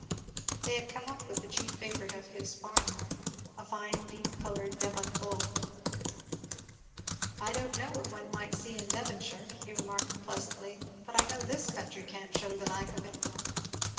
They had come up with the chief favourite of his barn yard, a fine deep coloured Devon bull. "I don't know what one might see in Devonshire," he remarked presently, "but I know this country can't shew the like of him!"